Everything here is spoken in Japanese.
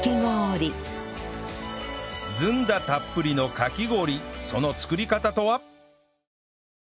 ずんだたっぷりのかき氷その作り方とは？